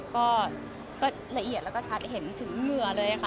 ก็ละเอียดแล้วก็ชัดเห็นถึงเหงื่อเลยค่ะ